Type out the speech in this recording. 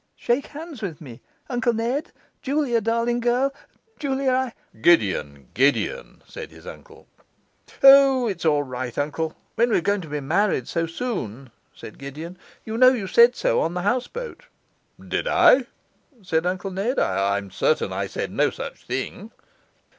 Shake hands with me, Uncle Ned Julia, darling girl, Julia, I ' 'Gideon, Gideon!' said his uncle. 'O, it's all right, uncle, when we're going to be married so soon,' said Gideon. 'You know you said so yourself in the houseboat.' 'Did I?' said Uncle Ned; 'I am certain I said no such thing.